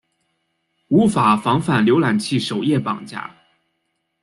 无法防范浏览器首页绑架。